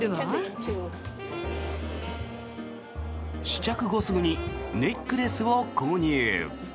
試着後すぐにネックレスを購入。